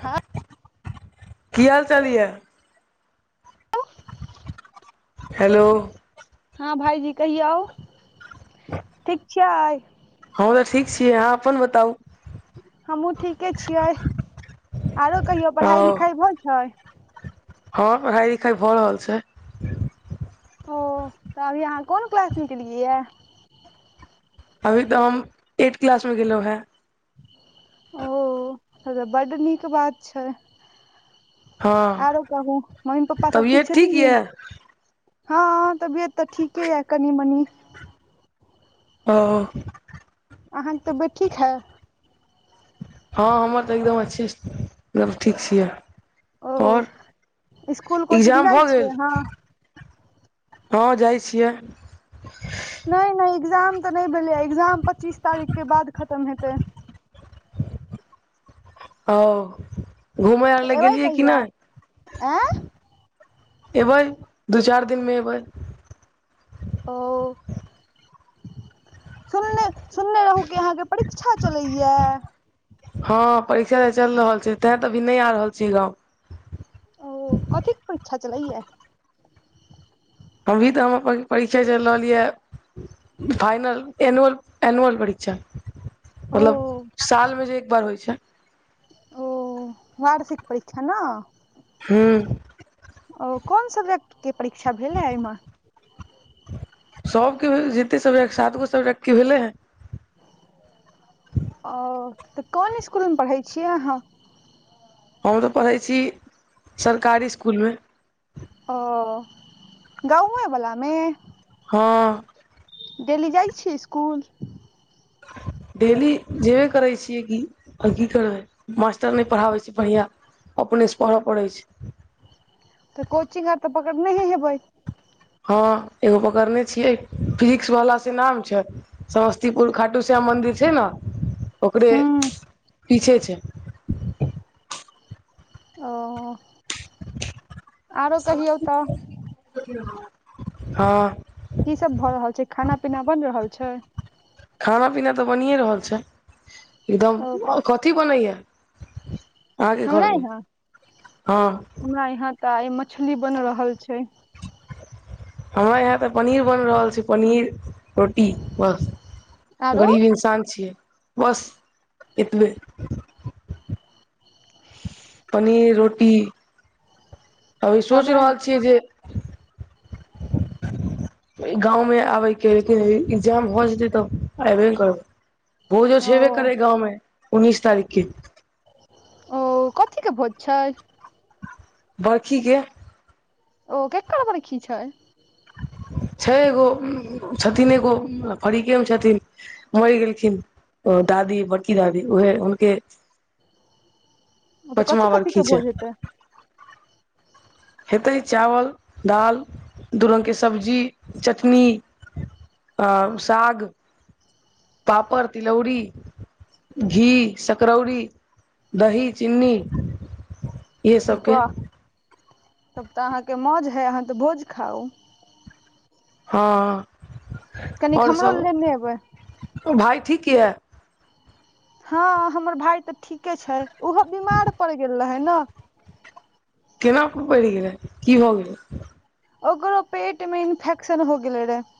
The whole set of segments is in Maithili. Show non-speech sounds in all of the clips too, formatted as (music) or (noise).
हाँ की हाल चाल या हेलो हाँ भाईजी कहियौ ठीक छियै हम तऽ ठीक छी अहाँ अपन बताउ हमहुँ ठीके छियै आओरो कहियौ पढ़ाइ लिखाइ होइ छै हाँ पढ़ाई लिखाई भऽ रहल छै ओ तऽ अभी अहाँ कोन क्लासमें गेलिए यऽ अभी तऽ हम एट् क्लास मे गेलों हें ओ त बड्ड नीक बात छै आओरो हँ कहू मम्मी पप्पा सभ ठीक तबियत छथिन यऽ हाँ हाँ तबियत तऽ ठीके या कनि मनी ओ अहाँके तबीयत ठीक हा हाँ हमर तऽ एकदम अच्छे एकदम ठीक छियै आओर ओ स्कुल कोचिंग एग्जाम भऽ जाइ छियै गेल हँ हाँ जाइ छियै नहि नहि एग्जाम तऽ नहि भेलै एग्जाम पच्चीस तारीखके बाद खतम हेतै ओ घूमैय आर तऽ लए एबै गेलियै कि कहिया आँय नहि एबै दू चारि दिनमे एबै ओ सुनने सुनने रहूँ कि अहाँके परीक्षा चलैया हँ परीक्षा तऽ चलि रहल छै तें तऽ अभी नहि आ रहल छी गाँव ओ कथीकेँ परीक्षा चलैय अभी तऽ हम अपन परीक्षा चलि रहल या फाइनल एनुअल एनुअल परीक्षा ओ मतलब सालमे जे एक बार होइ छै ओ वार्षिक परीक्षा ने हूँ ओ कोन सब्जेक्टके परीक्षा भेलए एहिमे सबके जते सबजेकट सात गो सब्जेकट के भेले हें ओ तऽ कोन इसकुलमे पढ़ै छियै अहाँ हम तऽ पढ़ै छी सरकारी इसकुलमे ओ गाँवै बलामे हँ डेली जाइ छिए स्कुल डेली जेवे करय छीए की आओर की करबै मास्टर नहि पढ़ाबै छै बढ़िआँ अपनेसँ पढ़य पड़ै छै तऽ कोचिंग आर तऽ पकड़ने हे हेबै हँ एगो पकड़ने छियै फिजिक्स वाला से नाम छै समस्तीपुर खाटू श्याम मन्दिर छै नऽ ओकरे हूँ पीछे छै ओ आरो कहियौ तऽ हँ की सब भऽ रहल छै खाना पीना बनि रहल छै खाना पीना तऽ बनिए रहल छै एकदम ओ क कथी बनैए हमरा यहाँ हँ हमरा यहाँ तऽ आइ मछली बनि रहल छै (inaudible) हमरा यहाँ तऽ पनीर बनि रहल छै पनीर रोटी बस आरो गरीब इंसान छियै बस एतबे पनीर रोटी अभी सोच हमरा रहल छियै जे (inaudible) गाँंव मे आबे के लेकिन एग्जाम हो जेते तब एबे ने करबै भोजो ओ सेवे करे गाँवमें उन्नीस तारीख के ओ कथि कऽ भोज छैय बरखीे के ओ केकर बरखी छै छै एगो छथिन एगो फरीके मे छथिन मरि गेलखिन ओ दादी बड़की दादी उहे हुनके ओ तऽ पचमा कथी कथी बरखी के छै भोज हैतै हेतै चावल दालि दू रंग के सब्जी चटनी आ साग पापड़ तिलौरी घी सकरौरी दही चिनी वाह तब तऽ अहाँके मौज हइ अहाँ तऽ भोज खाउ हँ कनिक हमरो लऽ लेने अयबै ओ भाइ ठीक यै हँ हमर भाय तऽ ठीके छै ओहो बीमार पड़ गेल रहै नऽ केना पड़ि गेलै की भऽ गेलै ओकरो पेट में इन्फेक्शन हो गेले रहे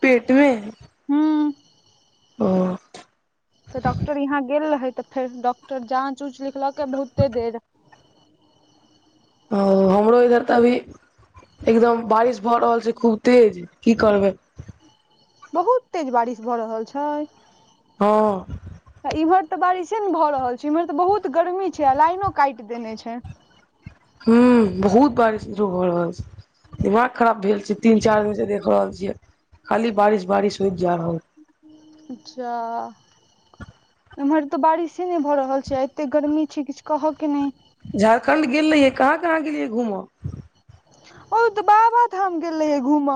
पेट मे हू ओ तऽ डॉक्टर यहाँ गेल रहे तऽ फेर डॉक्टर जाँच उँच लिखलके बहुते देर ओ हमरो इधर तऽ अभी एकदम बारिश भऽ रहल छै खूब तेज की करबै बहुत तेज बारिश भऽ रहल छै हँ इम्हर तऽ बारिशे ने भऽ रहल छै इम्हर तऽ बहुत गर्मी छै आ लाइनो काटि देने छै हु बहुत बारिश बुझियो भऽ रहल छै दिमाग खराब भेल छै तीन चार दिन से देख रहल छियै खाली बारिश बारिश होइत जा रहल (unintelligible) जा एम्हर तऽ बारिशे नै भऽ रहल छै एते गर्मी छै किछ कह केँ नै झारखण्ड गेल रहियै कहाँ कहाँ गेलियै घूम ओ तऽ बाबाधाम गेल रहियै घूम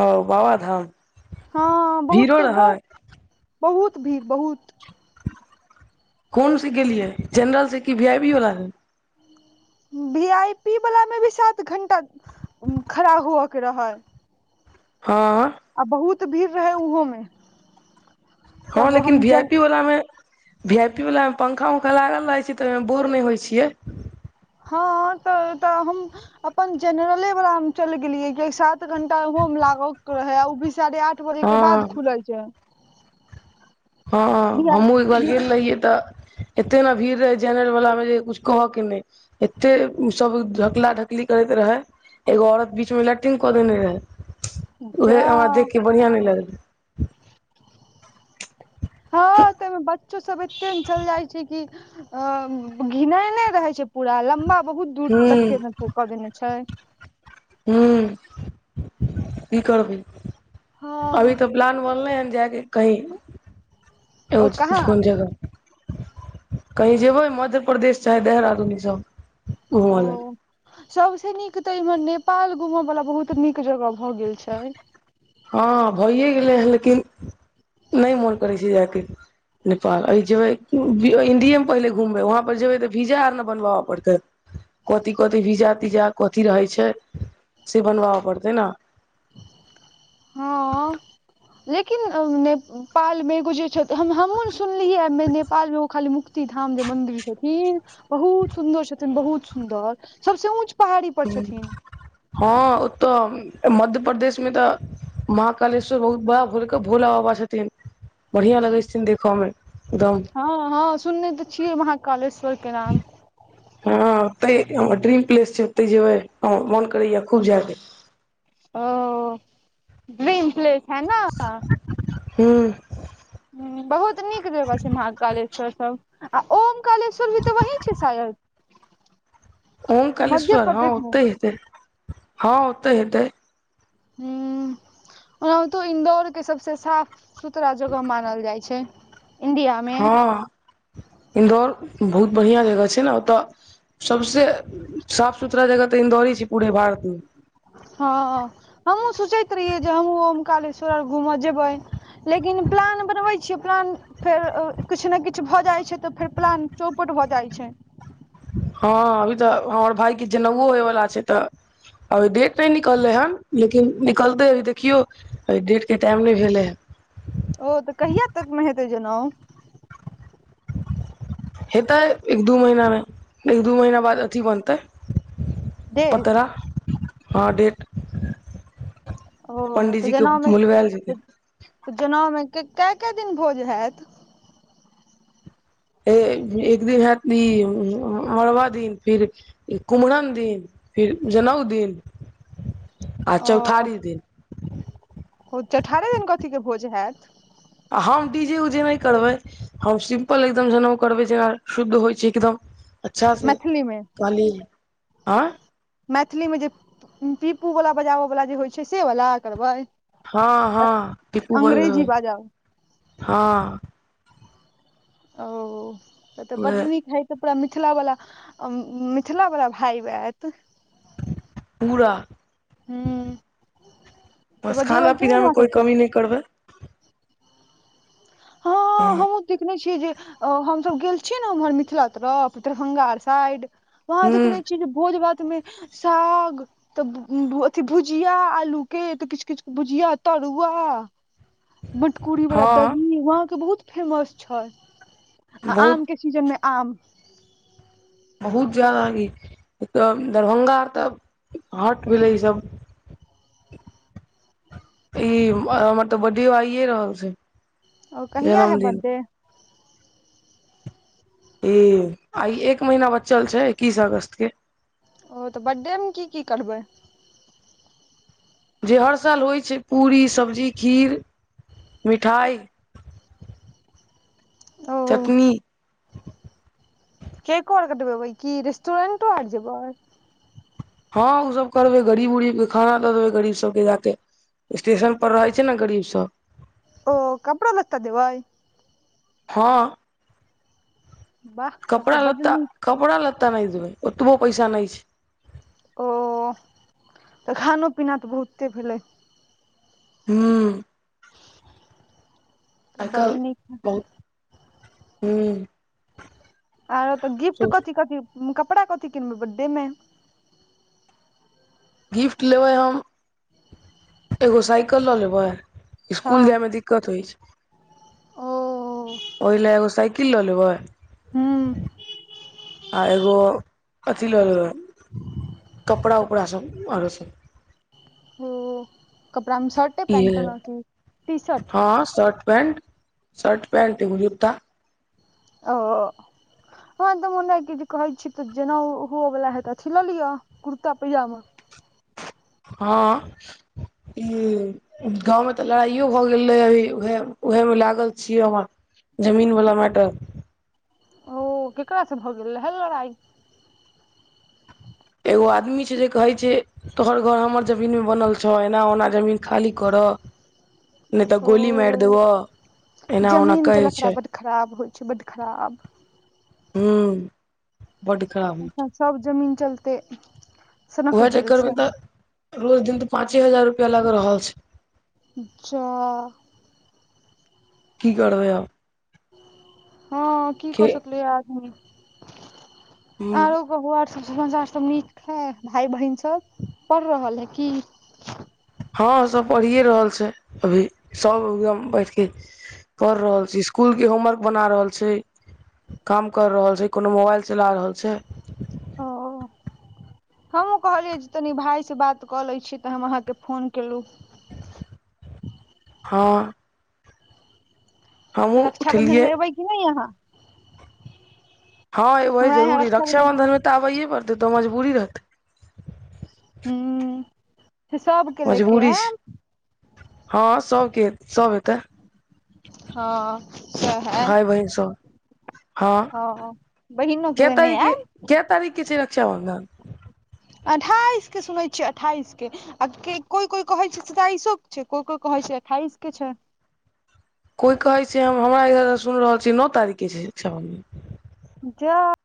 ओ बाबाधाम हँ भीड़ो बहुते दस रहै (inaudible) बहुत भीड़ बहुत कोन स गेलियै जनरल स की वी आई वी वाला स वी आइ पी वला में भी सात घण्टा खड़ा होअ कऽ रहल हऽ आ बहुत भीड़ रहै उहो में हऽ लेकिन वी आइ जन पी वला में वी आइ पी वला मे पंखा उन्खा लागल रहै छै तऽ बोर नै होइ छियै हँ तऽ तऽ हम अपन जेनरले वाला में चैल गेलियै किय की सात घंटा उहो में लाग कऽ रहे ओ भी साढ़े आठ दु बजे कऽ हँ बाद खुलै छै हऽ बिहार हमहुँ एक बार गेल रहियै तऽ एते न भीड़ रहै जेनरल वाला मे जे कुछ कहकेँ नै एते उऽ सब ढकला ढकली करैत रहे एगो औरत बीच में लैटिंग कऽ देने रहे उहे हमरा जा देख कऽ बड़ियाँ नै लगले (inaudible) हऽ तैय म बच्चो सब एते न चैल जाइ छै कि अ (unintelligible) घिनायने रहे छै पूरा लम्बा बहुत दूर हूं तक केँ कऽ देने छै हुं (inaudible) कि करबै अभी हँ तऽ प्लान बनले हैन जायके कही ओ कहाँ (inaudible) कोन जगह (inaudible) कहीं जेबै मध्य प्रदेश चाहे देहरादून इ सब ओ घुमऽ लए (inaudible) सबसे नीक तऽ इमहर नेपाल घुमऽ वाला बहुत नीक जगह भऽ गेल छै छै हँ भैए गेलै हऽ लेकिन (inaudible) नै मोन करै छै जाय केँ नेपाल अय जेबै (unintelligible) इंडिय ए में पहिले घुमबै वहाँ पर जेबै तऽ भीजा आर न बनबाब पड़तै कथी कथी भीजा तीजा कथी रहै छै से बनबाब पड़तै न हँ लेकिन (inaudible) ने नेपाल मे एगो जे (unintelligible) हम हमहु सुनलीय हमें नेपाल में एगो खाली मु क्ती धाम जे मंन्दिर छथिन बहुत सुन्दर छथिन बहुत सुन्दर सबसे ऊँच पहाड़ी (inaudible) पर छथिन हँ ओ तऽ मध्यपदेश में तऽ महाकालेश्वर बहुत बड़ा भोलक भोला बाबा छथिन बड़ियाँ लगैत छथिन देख में एकदम। हऽ हऽ सुनने तऽ छियै महाकालेश्वर केँ नाम। हँ ओते हमर ड्रीम प्लेस छै ओते जेबै हमर मोन करैय खूब जाय केँ ओ (inaudible) ड्रीम प्लेस है न (unintelligible) हू हु बहुत नीक जगह छै महकालेश्वर सब। आ ओम कालेश्वर भी तऽ वही छै शायद। मध्य ओंकारेश्वर हऽ प्रदेश मे ओते हेतै हऽ ओते हेतै। हुँ ओनाहुतो इन्दौर के सबसे साफ। सुथरा जगह मानल जाइ छै। इंडिया मे हँ इन्दौर बहुत बढ़ियाँ जगह छै ने ओतय। सबसे साफ सुथरा जगह तऽ इन्दौरे छै पूरे भारत मे। हँ हमहुँ सोचैत रहियै जे हमहूँ ओमकालेश्वर आर घूम जेबै। लेकिन प्लान बनबै छियै प्लान। फेर किछु ने किछु भऽ जाइ छै तऽ फेर प्लान चौपट भऽ जाइत छै। हँ अभी तऽ हमर भाय के जनेउओ होयवला छै तऽ। अभी डेट नय निकललै हन लेकिन निकलतै अभी देखियौ। ओहि डेटके टाइम नय भेलै हँ। ओ तऽ कहिया तक मे हेतै जनउ। हेतै एक दू महीना मे एक दू महीना बाद अथी बनतै। डेट पतरा हँ डेट। ओ तऽ पंडिजी के जनउ मे बुलबेल जेतै। तऽ तऽ जनेउमे कए कए दिन भोज हैत। एक दिन हैत ई मड़बा दिन फिर। कुम्हरन दिन फेर जनेउ दिन। (inaudible) आ ओ चौठारी दिन ओ अठारहे दिने कथी के भोज हैत। आ हम डीजे उजेे नय करबै हम सिम्पल एकदम जेनउ करबै जेना शुद्ध होइ छै एकदम। अच्छासे मैथिलीमे कहली आँय मैथिलीमे जे पीपूवला बजाबय वला जे होइ छै सेवला करबै। हँ हँ टीपू बै अंग्रेजी बाजाउ हँ। ओ ओ तऽ बड्ड उहे नीक हइ। पूरा मिथला वाला मिथिला वाला भायब एत। पूरा ह तऽ बस बजेबै खाना कि नहि पीना मे हमरा कोइ सबके कमी नय। करबै। (inaudible) हँ तब हमहुँ देखने छियै जे हमसभ गेल छियै ने उम्हर मिथिला तरफ दरभंगा आर साइड। वहाँ हुँ देखने छियै भोज भात मे साग। तब अथी भुजिया आलू के तऽ किछु किछु के भुजिया तरुआ। मटकुरी वाला हँ दही वहाँ के बहुत फेमस छै आ बहुत आम के। सीजन मे आम। बहुत जादा ई दरभंगा आर तऽ हाॅट भेलै ई सब। (inaudible) ई हमर तऽ बड्डेयो आइए रहल छै। ओ कहिया हे जन्मदिन बड्डे ई आइ एक महीना बचल छै एक्कीस अगस्त के। ओ तऽ बड्डेमे की की करबै। जे हर साल होइ छै पूरी सब्जी खीर मिठाइ। ओ चटनी। केको आर कटबेबै की रेस्टुरेंटो आर जेबै। हँ उ सब करबै गरीब उरीबके खाना दऽ देबै गरीब सबके जाके। स्टेशन पर रहै छै न गरीब सब। ओ कपड़ो लत्ता देबैय हँ वाह तब तऽ बड कपड़ा-लत्ता नीक कपड़ा लत्ता नइ देबै ओतबो पैसा नै छै ओ तऽ खानो पीना तऽ बहुते भेलै हूँ बड आइकल नीक (inaudible) बहुत हं आरो तऽ गिफ्ट कथि कथि कपड़ा कथि किनबै बर्थडे में गिफ्ट लेबै हम एगो साइकल लऽ लेबै हँ स्कूल जाय में दिक्कत होइ छैय ओ ओय लै एगो साइकिल लऽ लेबै आ एगो अथि ल ले कपड़ा उपड़ा सब आर सब ओ कपड़ा में शर्ट य हँ शर्ट-पेन्ट शर्ट पेन्ट एगो जूता ओ हँ तऽ मुन्ना कऽ जे कहै छी त जेना उह हुअवला हेत अथी लऽ लिअ कुर्ता पैजामा हँ ई गाँव में तऽ लड़ाइयो भऽ गेल रहै उहे उहे में लागल छियै हमर जमीन वाला मैटर ओ केकरा स भऽ गेल रहै लड़ाई एगो आदमी छै जे कहै छै तोहर घर हमर जमीन में बनल छौ एना ओना जमीन खाली करऽ नय तऽ ओ गोली मार देबऽ जमीन के लफड़ा बड्ड खराप होइ छै बड्ड खराब हूँ बड्ड खराब होइ अच्छा सब जमीन चलते सनक उएह गेल चक्कर छै में तऽ रोज दिन तऽ पाँचे हजार रुपया लाग रहल छै जाऽ की करबैय अब हँ की कऽ सकलयै आदमी हूं आरो कहु आर सब समाचार सब नीक है भाय बहिन सब पढ़ रहल है की हँ सब पढ़ियए रहल छै अभी सब एकदम बैठ के कर रहल छी इस्कूल के होमवर्क बना रहल छै काम कर रहल छै कोनो मोबाइल चला रहल छै ओ हमहूँ कहलियै जे तनी भाय से बात कऽ लै छी तऽ हम अहाँके फोन केलू हँ हमहुँ रक्षाबंधन उठेलियै में एबै की नय अहाँ हँ एबै हमरा यहाँ जरूरी रक्षाबन्धन में तऽ आबैयए पड़तै तऽ मजबूरी रहतै हूं से सब मजबूरी छै हँ सबके सब एतै हँ सेहै भाय बहिन सब हँ बहिनो कऽ कै लेने तारीख के ऐयब कै तारीख के छै रक्षाबन्धन अठाइस के सुनै छियै अठाइस के आ केँ कोइ-कोइ कहै छै सताइसो केँ छै कोइ-कोइ कहै छै अठाईस केँ छै कोइ कहै छै हम हमरा इधर सुन रहल छी नौ तारीख केँ छै राक्षाबंधन (unintelligible)